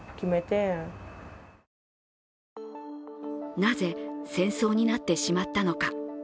なぜ戦争になってしまったのか。